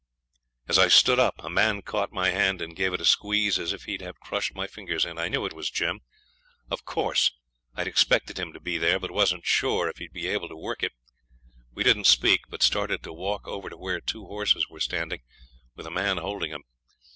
As I stood up a man caught my hand and gave it a squeeze as if he'd have crushed my fingers in. I knew it was Jim. Of course, I'd expected him to be there, but wasn't sure if he'd be able to work it. We didn't speak, but started to walk over to where two horses were standing, with a man holding 'em.